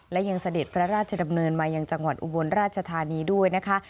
และยังเสด็จพระราชดำเนินมายังจังหวัดอุบลราชธานีด้วยนะคะ